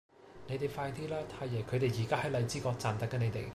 你哋快啲啦!太爺佢哋而家喺荔枝角站等緊你哋